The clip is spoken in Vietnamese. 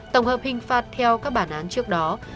tổng hợp hình phạt theo các bản án trước đó